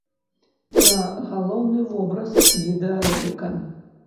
Пра галоўны вобраз відэароліка.